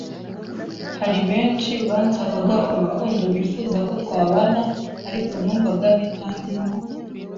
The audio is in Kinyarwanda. hari benshi bansabaga urukundo bifuza ko twabana ariko numvaga bitandimo,